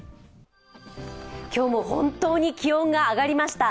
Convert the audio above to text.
今日も本当に気温が上がりました。